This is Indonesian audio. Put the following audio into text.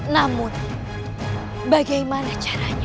namun bagaimana caranya